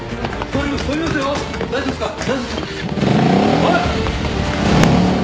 おい！